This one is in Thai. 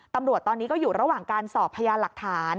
ตำรวจตอนนี้ก็อยู่ระหว่างการสอบพยานหลักฐาน